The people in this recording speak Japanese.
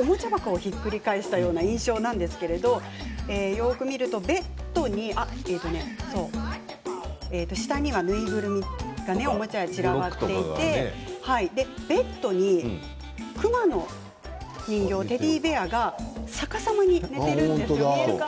おもちゃ箱をひっくり返したような印象なんですけれどもよく見るとベッドに下には縫いぐるみやおもちゃが散らばっていてベッドに熊の人形テディベアが逆さまに寝ているんですよね。